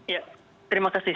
ya terima kasih